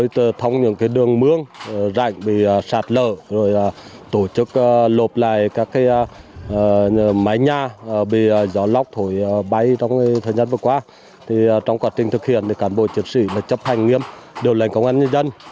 trong thời gian vừa qua trong quá trình thực hiện cán bộ chiến sĩ đã chấp hành nghiêm điều lệnh công an nhân dân